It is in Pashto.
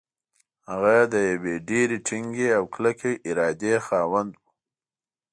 هغه د يوې ډېرې ټينګې او کلکې ارادې خاوند و.